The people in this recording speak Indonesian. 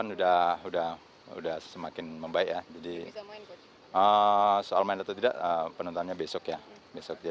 udah semakin membaik ya jadi soal main atau tidak penentuannya besok ya